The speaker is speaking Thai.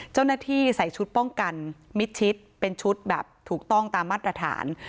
เจ้าหน้าที่ใส่ชุดป้องกันมิดชิดเป็นชุดแบบถูกต้องตามมาตรฐาน